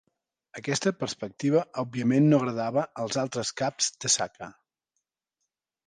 Aquesta perspectiva òbviament no agradava a altres caps de Saka.